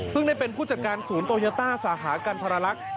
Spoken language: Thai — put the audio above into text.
เพิ่งได้เป็นผู้จัดการศูนย์โตเยอต้าสหกันธรรลัก